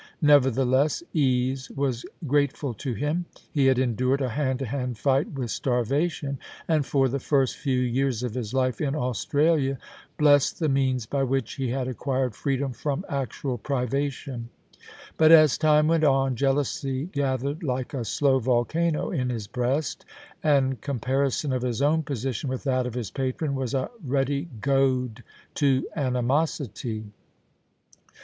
Nevertheless ease was grateful to him. He had endured a hand to hand fight with starvation, and for the first few years of his life in Australia blessed the means by which he had acquired freedom from actual privation ; but, as time w^ent on, jealousy gathered like a slow volcano in his breast, and comparison of his own position with that of his patron was a ready goad to animosity.